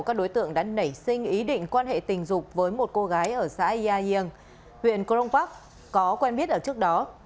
các đối tượng đã nảy sinh ý định quan hệ tình dục với một cô gái ở xã ia hieu huyện kronpark có quen biết ở trước đó